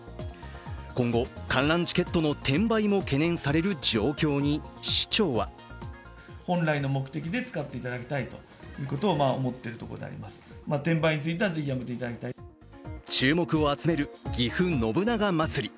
今後、観覧チケットの転売も懸念される状況に市長は注目を集めるぎふ信長まつり。